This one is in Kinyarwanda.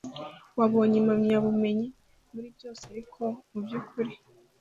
wabonye impamyabumenyi muri byose ariko mubyukuri